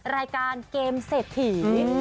รายการเกมเศสถี